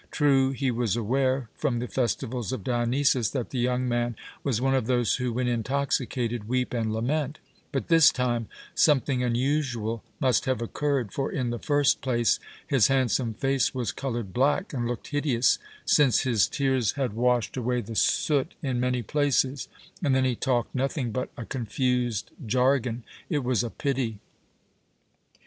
True, he was aware, from the festivals of Dionysus, that the young man was one of those who, when intoxicated, weep and lament; but this time something unusual must have occurred, for in the first place his handsome face was coloured black and looked hideous, since his tears had washed away the soot in many places, and then he talked nothing but a confused jargon. It was a pity.